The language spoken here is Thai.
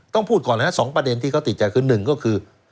ต้องพูดก่อนเลยนะสองประเด็นที่เขาติดใจคือหนึ่งก็คือ